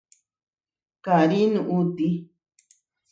Karí nuʼúti.